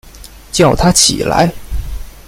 叫他起来